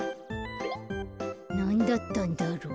なんだったんだろう。